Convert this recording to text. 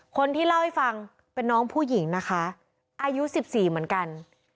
คนที่เล่าให้ฟังเป็นน้องผู้หญิงนะคะอายุ๑๔เหมือนกัน